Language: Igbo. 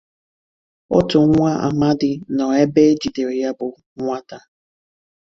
otu nwa amadi nọ ebe e jidere ya bụ nwata